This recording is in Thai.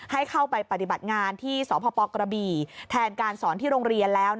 ให้เข้าไปปฏิบัติงานที่สพกระบี่แทนการสอนที่โรงเรียนแล้ว